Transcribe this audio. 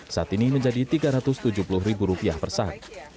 saat ini menjadi rp tiga ratus tujuh puluh ribu persak